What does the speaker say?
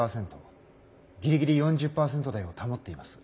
ギリギリ４０％台を保っています。